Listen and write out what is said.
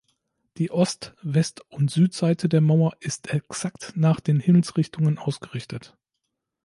Die Ost-, West- und Südseite der Mauer ist exakt nach den Himmelsrichtungen ausgerichtet.